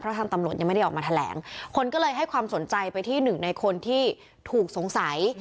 ทางตำรวจยังไม่ได้ออกมาแถลงคนก็เลยให้ความสนใจไปที่หนึ่งในคนที่ถูกสงสัย